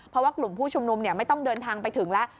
เพราะว่ากลุ่มผู้ชุมนุมไม่ต้องเดินทางไปถึงแล้ว